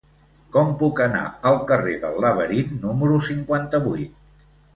Com puc anar al carrer del Laberint número cinquanta-vuit?